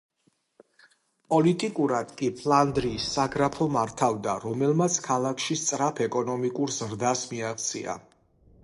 პოლიტიკურად კი ფლანდრიის საგრაფო მართავდა, რომელმაც ქალაქში სწრაფ ეკონომიკურ ზრდას მიაღწია.